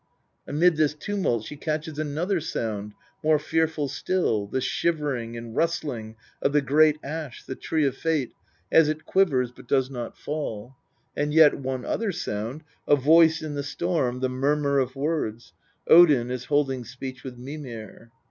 Amid this tumult she catches another sound, more fearful still, the shivering and rustling of the great Ash, the Tree of Fate, as it quivers, but does not fall and yet one other sound, a voice in the storm, the murmur of words : Odin is holding speech with Mimir.